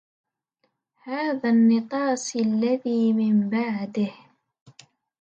هذا النطاسي الذي من بعده